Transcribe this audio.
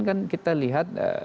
kan kita lihat